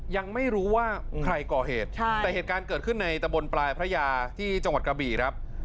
ยังไม่รู้ว่าใครก่อเหตุแต่เหตุการณ์เกิดขึ้นในตะบนปลายพระยาที่จังหวัดกระบี่ครับ